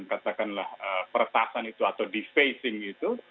katakanlah peretasan itu atau defacing itu